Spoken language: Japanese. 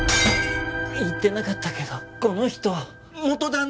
言ってなかったけどこの人元ダンなの。